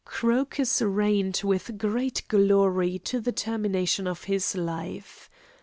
Crocus reigned with great glory to the termination of his life.